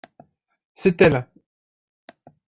C’est elles.